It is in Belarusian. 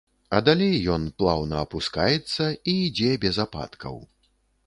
А далей ён плаўна апускаецца і ідзе без ападкаў.